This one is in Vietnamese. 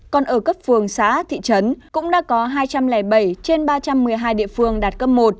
còn ở cấp phường xã thị trấn cũng đã có hai trăm linh bảy trên ba trăm một mươi hai địa phương đạt cấp một